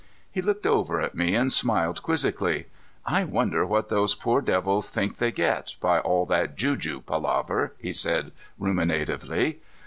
He looked over at me and smiled quizzically. "I wonder what those poor devils think they get by all that juju palaver," he said ruminatively.